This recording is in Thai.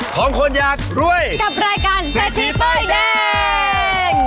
ของคนอยากรวยกับรายการเศรษฐีป้ายแดง